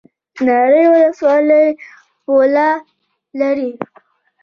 ناری ولسوالۍ پوله لري؟